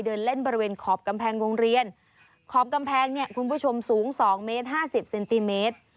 เดินเล่นบริเวณขอบกำแพงโรงเรียนขอบกำแพงเนี่ยคุณผู้ชมสูง๒เมตรห้าสิบเซนติเมตร